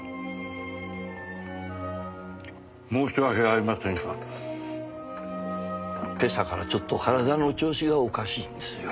申し訳ありませんが今朝からちょっと体の調子がおかしいんですよ。